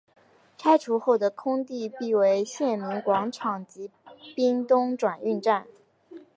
拆除后的空地辟为县民广场及屏东转运站。